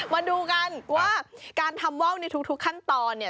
มาดูกันว่าการทำว่าวในทุกขั้นตอนเนี่ย